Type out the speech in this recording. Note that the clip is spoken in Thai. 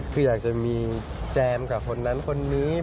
คืออยากจะมีแจมกับคนนั้นคนนืม๓๕๓๐๑๐๐